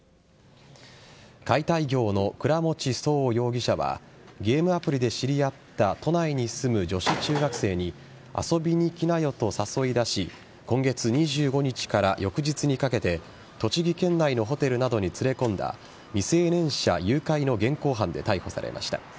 解体業の倉持颯容疑者はゲームアプリで知り合った都内に住む女子中学生に遊びに来なよと誘い出し今月２５日から翌日にかけて栃木県内のホテルなどに連れ込んだ未成年者誘拐の現行犯で逮捕されました。